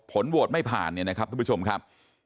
ผลโหวตไม่ผ่านเนี่ยนะครับทุกผู้ชมครับ